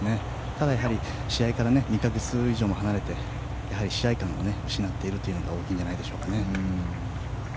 ただ、試合から２か月以上も離れてやはり試合勘を失っているというのが大きいんじゃないでしょうか。